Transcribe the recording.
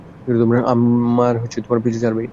আমার পিছু ছাড়বেই না!